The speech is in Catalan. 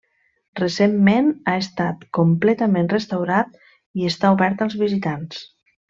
Recentment ha estat completament restaurat i està obert als visitants.